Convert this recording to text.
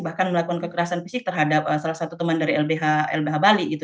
bahkan melakukan kekerasan fisik terhadap salah satu teman dari lbh lbh bali gitu